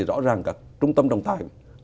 rõ ràng các trung tâm đồng tài